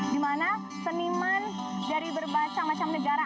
di mana seniman dari bermacam macam negara